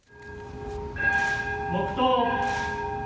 黙とう。